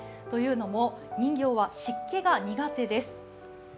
というのも人形は湿気が苦手です。